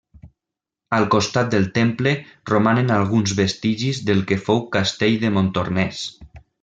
Al costat del temple romanen alguns vestigis del que fou castell de Montornès.